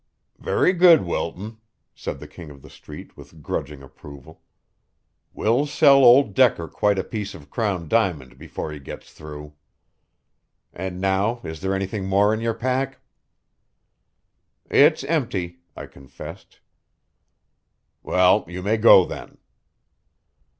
"Very good, Wilton," said the King of the Street with grudging approval. "We'll sell old Decker quite a piece of Crown Diamond before he gets through. And now is there anything more in your pack?" "It's empty," I confessed. "Well, you may go then."